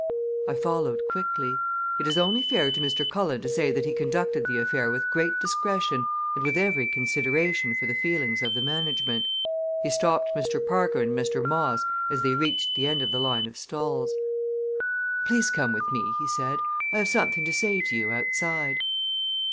I followed quickly. It is only fair to Mr. Cullen to say that he conducted the affair with great discretion and with every consideration for the feelings of the management. He stopped Mr. Parker and Mr. Moss as they reached the end of the line of stalls. "Please come with me," he said. "I have something to say to you outside."